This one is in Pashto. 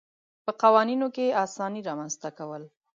په قوانینو کې اسانتیات رامنځته کول.